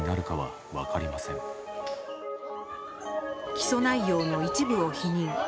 起訴内容の一部を否認。